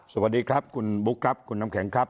สวัสดีครับคุณบุ๊คครับคุณน้ำแข็งครับ